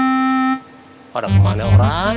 lho pada kemana orang